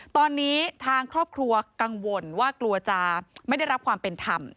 ตอนนี้ทางครอบครัวกังวลว่ากลัวจะไม่ได้รับความเป็นธรรม